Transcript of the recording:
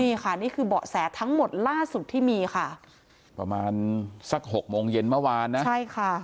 นี่ค่ะนี่คือเบาะแสทั้งหมดล่าสุดที่มีค่ะประมาณสักหกโมงเย็นเมื่อวานนะใช่ค่ะ